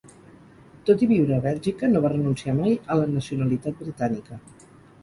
Tot i viure a Bèlgica no va renunciar mai a la nacionalitat britànica.